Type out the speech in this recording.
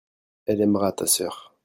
elle aimera ta sœur.